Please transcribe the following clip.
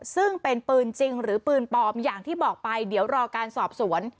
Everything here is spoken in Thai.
ซึ่งเป็นปืนจริงหรือปืนปลอมอย่างที่บอกไปเดี๋ยวรอการสอบสวน